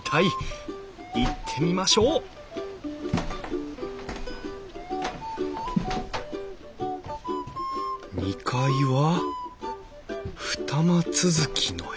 行ってみましょう２階は二間続きの部屋か。